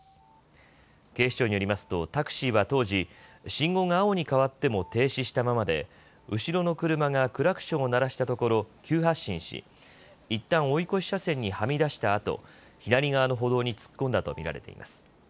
警視庁によりますとタクシーは当時、信号が青に変わっても停止したままで後ろの車がクラクションを鳴らしたところ急発進しいったん追い越し車線にはみ出したあと左側の歩道に突っ込んだと見られています。